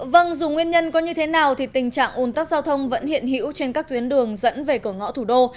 vâng dù nguyên nhân có như thế nào thì tình trạng ồn tắc giao thông vẫn hiện hữu trên các tuyến đường dẫn về cửa ngõ thủ đô